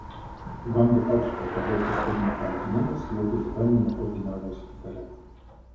Уганда также поздравляет господина Пан Ги Муна с его переизбранием на пост Генерального секретаря.